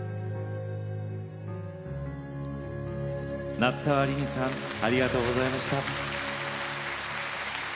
夏川りみさんありがとうございました。